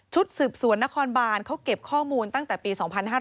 สืบสวนนครบานเขาเก็บข้อมูลตั้งแต่ปี๒๕๕๙